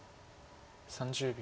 ３０秒。